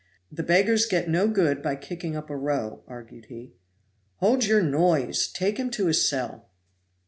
"The beggars get no good by kicking up a row," argued he. "Hold your noise! take him to his cell!"